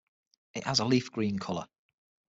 It has a leaf green color.